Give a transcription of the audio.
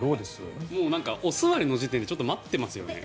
お座りの時点でちょっと待っていますよね。